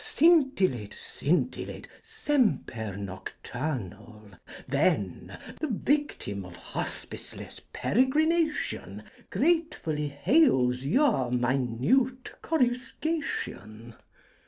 Scintillate, scintillate, semper nocturnal. Saintc Margirie 4T7 Then the yictiin of hospiceless peregrination Gratefully hails your minute coruscation.